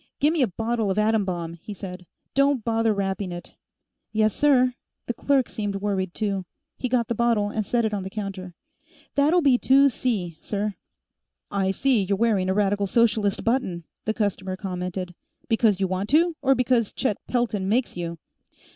"Gimme a bottle of Atom Bomb," he said. "Don't bother wrapping it." "Yes, sir." The clerk seemed worried, too. He got the bottle and set it on the counter. "That'll be two C, sir." "I see you're wearing a Radical Socialist button," the customer commented. "Because you want to, or because Chet Pelton makes you?"